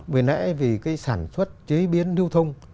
bởi lẽ vì cái sản xuất chế biến lưu thông